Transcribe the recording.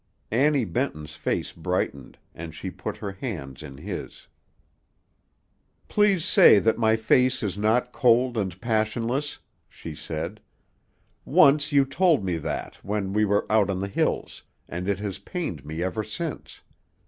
Annie Benton's face brightened, and she put her hands in his. "Please say that my face is not cold and passionless," she said. "Once you told me that when we were out on the hills, and it has pained me ever since.